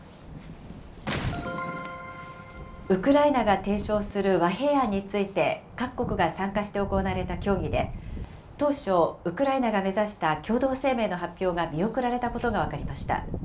ウクライナが提唱する和平案について、各国が参加して行われた協議で、当初、ウクライナが目指した共同声明の発表が見送られたことが分かりました。